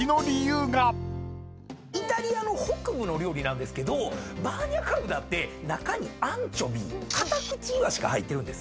イタリアの北部の料理なんですけどバーニャカウダって中にアンチョビカタクチイワシが入ってるんですね。